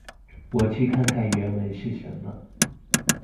我去看看原文是什么。